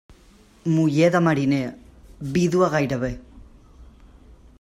Muller de mariner, vídua gairebé.